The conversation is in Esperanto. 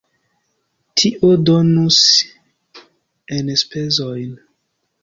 Tio donus enspezojn.